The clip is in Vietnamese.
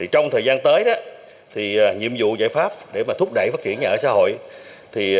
trong thời gian tới nhiệm vụ giải pháp để thúc đẩy phát triển nhà ở xã hội